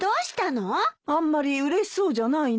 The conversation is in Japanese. あんまりうれしそうじゃないね。